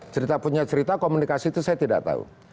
cerita punya cerita komunikasi itu saya tidak tahu